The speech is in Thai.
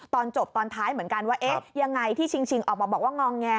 ตอนจบตอนท้ายเหมือนกันว่าเอ๊ะยังไงที่ชิงออกมาบอกว่างอแง